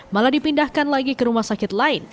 malah dipindahkan lagi ke rumah sakit lain